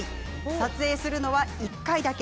撮影するのは１回だけ。